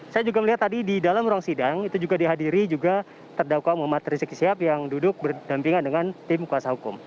saya juga melihat tadi di dalam ruang sidang itu juga dihadiri juga terdakwa muhammad rizik sihab yang duduk berdampingan dengan tim kuasa hukum